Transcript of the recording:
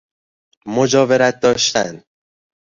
مجاورت داشتن